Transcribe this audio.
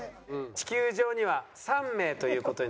地球上には３名という事に。